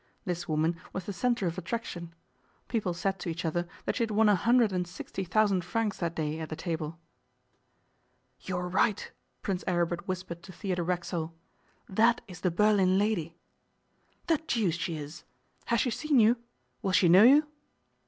This woman was the centre of attraction. People said to each other that she had won a hundred and sixty thousand francs that day at the table. 'You were right,' Prince Aribert whispered to Theodore Racksole; 'that is the Berlin lady.' 'The deuce she is! Has she seen you? Will she know you?